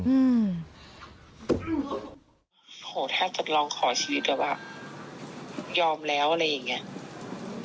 โหถ้าจะลองขอชีวิตก็แบบยอมแล้วอะไรอย่างเงี้ย